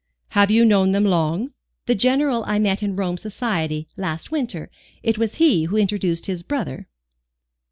"Have you known them long?" "The General I met in Roman society last winter. It was he who introduced his brother."